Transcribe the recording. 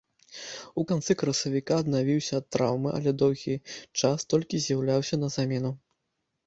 У канцы красавіка аднавіўся ад траўмы, але доўгі час толькі з'яўляўся на замену.